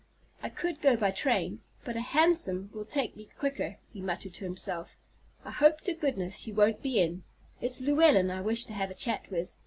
"I could go by train, but a hansom will take me quicker," he muttered to himself. "I hope to goodness she won't be in; it's Llewellyn I wish to have a chat with.